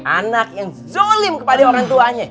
anak yang zolim kepada orang tuanya